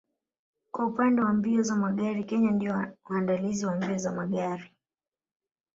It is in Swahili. Kwa upande wa mbio za magari Kenya ndio waandalizi wa mbio za magari